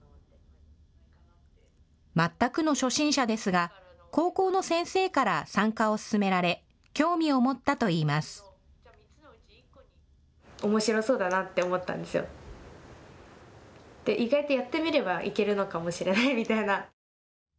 全くの初心者ですが高校の先生から参加を勧められ興味を持ったといいます。